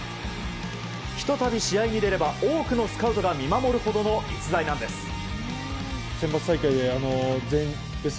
ひとたび試合に出れば多くのスカウトが見守るほどの逸材なんです。